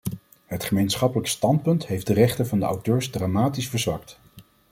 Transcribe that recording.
Het gemeenschappelijk standpunt heeft de rechten van de auteurs dramatisch verzwakt.